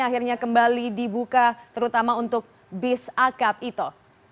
akhirnya kembali dibuka terutama untuk bis akap ito